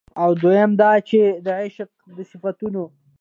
او دويم دا چې د عاشق د صفتونو